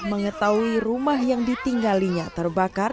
mengetahui rumah yang ditinggalinya terbakar